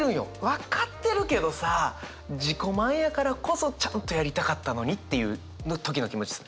分かってるけどさ自己満やからこそちゃんとやりたかったのにっていうの時の気持ちです。